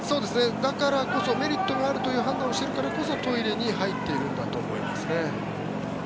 だからこそメリットがあるという判断をしているからこそトイレに入っているんだと思いますね。